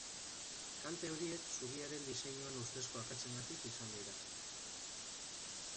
Kalte horiek zubiaren diseinuan ustezko akatsengatik izan dira.